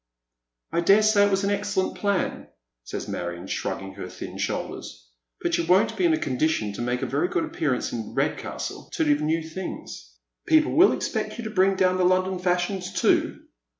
" I dare say it was an excellent plan," says M««ion, ehragging her thin shoulders, " but you won't be in a condition to make a very good appearance in Eedcastle till you've new^ things. People will expect you to bring down the London fashions too.